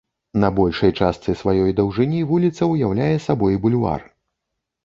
На большай частцы сваёй даўжыні вуліца ўяўляе сабой бульвар.